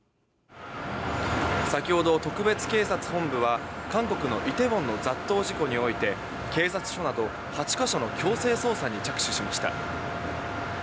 先ほど特別警察本部は韓国のイテウォンの雑踏事故において警察署など８か所の強制捜査に着手しました。